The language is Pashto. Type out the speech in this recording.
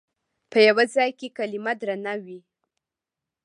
په یوه ځای کې کلمه درنه وي.